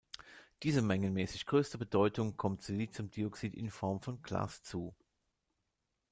Die mengenmäßig größte Bedeutung kommt Siliciumdioxid in Form von Glas zu.